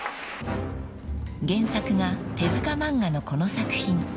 ［原作が手塚漫画のこの作品］